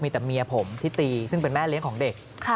มีแต่เมียผมที่ตีซึ่งเป็นแม่เลี้ยงของเด็ก